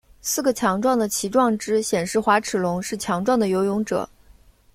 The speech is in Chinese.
四个强壮的鳍状肢显示滑齿龙是强壮的游泳者。